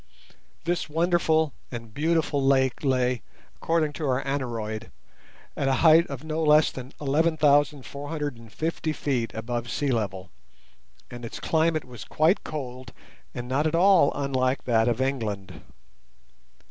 This wonderful and beautiful lake lay, according to our aneroid, at a height of no less than 11,450 feet above sea level, and its climate was quite cold, and not at all unlike that of England.